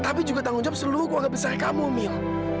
tapi juga tanggung jawab seluruh keluarga besar kamu mil